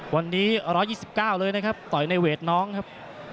วันนี้๑๒๙เลยนะครับต่อยในเวทน้องครับ